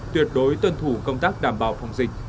tuyệt đối tuân thủ công tác đảm bảo phòng dịch